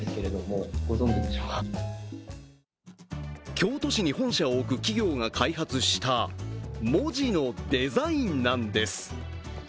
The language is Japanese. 京都市に本社を置く企業が開発した文字のデザインなんです。